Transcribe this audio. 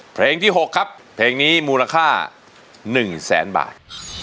เพลงที่๖ครับเพลงนี้มูลค่า๑แสนบาท